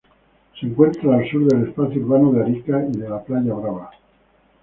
Se encuentra al sur del espacio urbano de Arica y de la Playa Brava.